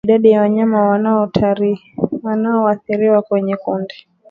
Idadi ya wanyama wanaoathiriwa kwenye kundi